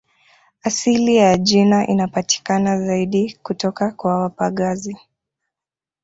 Asili ya jina inapatikana zaidi kutoka kwa wapagazi